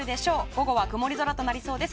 午後は曇り空となりそうです。